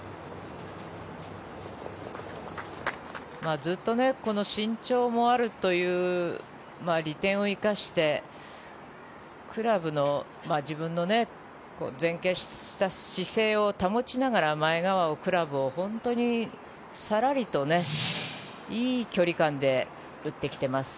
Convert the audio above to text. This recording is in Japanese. ずっとこの身長もあるという利点を生かしてクラブの自分の前傾した姿勢を保ちながら前側でクラブを本当にさらりといい距離感で打ってきています。